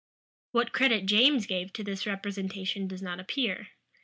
What credit James gave to this representation does not appear.